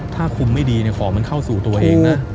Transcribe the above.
ถ้าคุมไม่ดีของมันเข้าสู่ตัวเองนะ